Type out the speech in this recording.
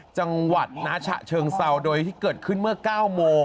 จังหวัดนฉะเชิงเซาโดยที่เกิดขึ้นเมื่อ๙โมง